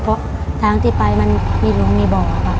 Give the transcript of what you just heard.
เพราะทางที่ไปมันมีรูมีบ่อค่ะ